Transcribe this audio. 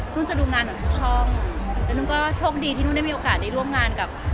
จะดูงานเหมือนทุกช่องแล้วนุ่นก็โชคดีที่นุ่นได้มีโอกาสได้ร่วมงานกับ